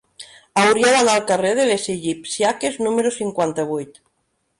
Hauria d'anar al carrer de les Egipcíaques número cinquanta-vuit.